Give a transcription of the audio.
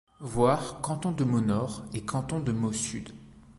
Voir Canton de Meaux-Nord et Canton de Meaux-Sud.